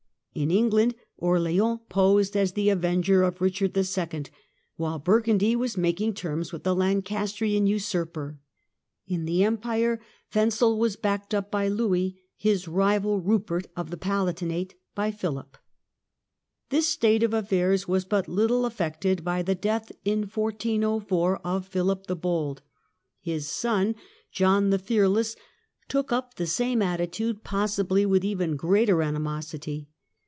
In England Orleans posed as the avenger of Eichard IL, while Bur gundy was making terms with the Lancastrian usurper. In the Empire Wenzel was backed up by Louis, his rival Kupert of the Palatinate by Philip. John the This state of affairs was but little affected by the death Fearless of Burgundy in 1404 of Philip the Bold. His son John the Fearless HISTORY OF FRANCE, 1380 1453 209 took up the same attitude, possibly with even greater animosity.